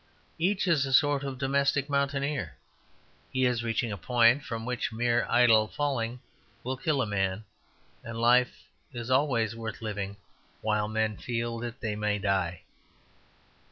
Each is a sort of domestic mountaineer; he is reaching a point from which mere idle falling will kill a man; and life is always worth living while men feel that they may die.